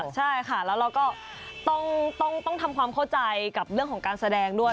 ใช่ค่ะแล้วเราก็ต้องทำความเข้าใจกับเรื่องของการแสดงด้วย